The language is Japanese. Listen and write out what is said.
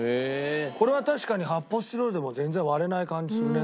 これは確かに発泡スチロールでも全然割れない感じするね。